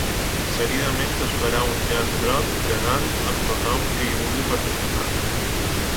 Seguidament es farà un llaç groc gegant amb tothom que hi vulgui participar.